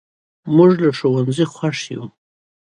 موږ له ښوونځي خوښ یو.